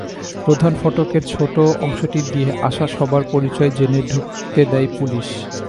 প্রধান ফটকের ছোট অংশটি দিয়ে আসা সবার পরিচয় জেনে ঢুকতে দেয় পুলিশ।